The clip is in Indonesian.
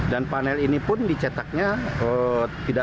dan panel ini pun dicetaknya